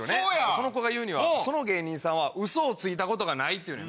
その子が言うにはその芸人さんはウソをついたことがないって言うねんな。